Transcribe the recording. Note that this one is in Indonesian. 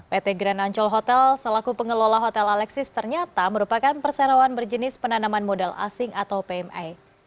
pt grand ancol hotel selaku pengelola hotel alexis ternyata merupakan perseroan berjenis penanaman modal asing atau pme